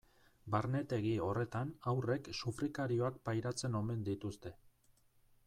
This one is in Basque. Barnetegi horretan haurrek sufrikarioak pairatzen omen dituzte.